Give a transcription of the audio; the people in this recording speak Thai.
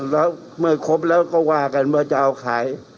แล้วเมื่อครบแล้วก็ว่ากันว่าจะเอาขาย